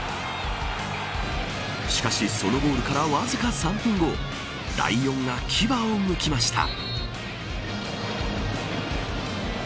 しかしそのゴールからわずか３分後ライオンが牙をむきました。